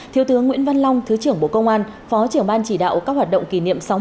thiếu tướng nguyễn văn long thứ trưởng bộ công an phó trưởng ban chỉ đạo các hoạt động kỷ niệm sáu mươi